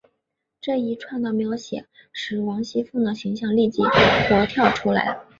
这一串的描写使王熙凤的形象立即活跳出来。